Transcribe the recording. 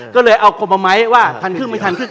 ก็เลยเอากคอมพอมไม้ว่าทันขึ้นไหมทันขึ้น